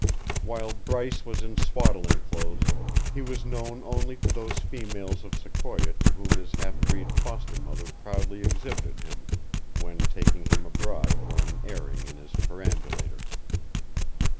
While Bryce was in swaddling clothes, he was known only to those females of Sequoia to whom his half breed foster mother proudly exhibited him when taking him abroad for an airing in his perambulator.